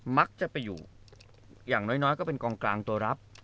มักจะไปอยู่อย่างน้อยก็เป็นกองกลางตัวรับ